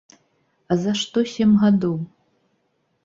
А за што сем гадоў?